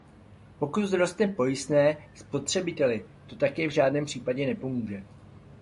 Pokud vzroste pojistné, spotřebiteli to také v žádném případě nepomůže.